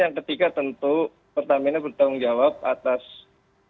yang ketiga tentu pertamina harus menjamin dengan adanya musibah ini